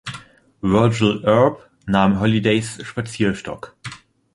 Virgil Earp nahm Hollidays Spazierstock.